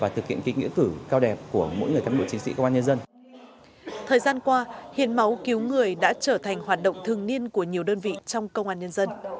thời gian qua hiến máu cứu người đã trở thành hoạt động thường niên của nhiều đơn vị trong công an nhân dân